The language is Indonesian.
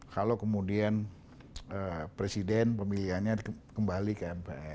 kalau kemudian presiden pemilihannya kembali ke mpr